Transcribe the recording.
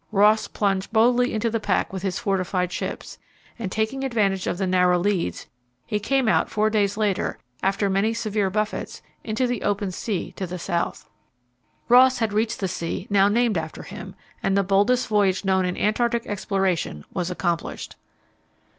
Ross plunged boldly into the pack with his fortified ships, and, taking advantage of the narrow leads, he came out four days later, after many severe buffets, into the open sea to the South. Ross had reached the sea now named after him, and the boldest voyage known in Antarctic exploration was accomplished.